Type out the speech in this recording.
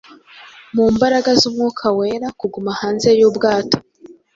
mu mbaraga z’Umwuka Wera, kuguma hanze y’ubwato!